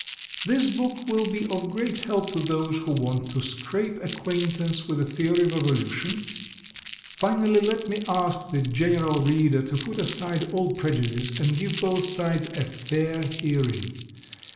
This book will be of great help to those who want to scrape acquaintance with the theory of evolution. Finally, let me ask the general reader to put aside all prejudice, and give both sides a fair hearing.